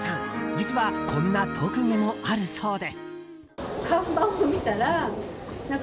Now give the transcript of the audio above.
実は、こんな特技もあるそうで。